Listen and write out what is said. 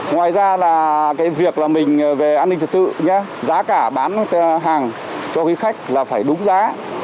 ngoài ra là cái việc là mình về an ninh trật tự giá cả bán hàng cho quý khách là phải đúng giá